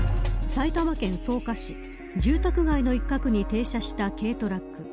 埼玉県草加市住宅街の一角に停車した軽トラック。